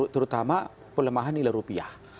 terutama pelemahan nilai rupiah